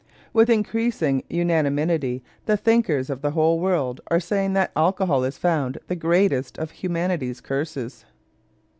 With increasing unanimity the thinkers of the whole world are saying that in alcohol is found the greatest of humanity's curses.